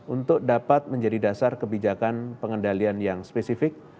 untuk dapat menjadi dasar kebijakan pengendalian yang spesifik